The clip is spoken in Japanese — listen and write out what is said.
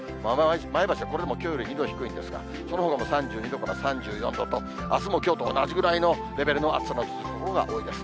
前橋はこれでもきょうより２度低いんですが、そのほかも３２度から３４度と、あすもきょうと同じくらいのレベルの暑さの続く所が多いです。